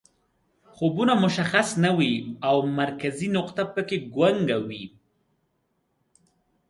خوبونه مشخص نه وي او مرکزي نقطه پکې ګونګه وي